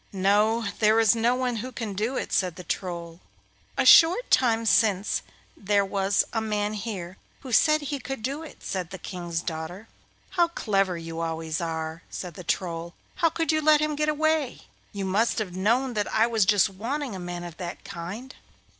'No, there is no one who can do it,' said the Troll. 'A short time since there was a man here who said he could do it,' said the King's daughter. 'How clever you always are!' said the Troll. 'How could you let him go away? You must have known that I was just wanting a man of that kind.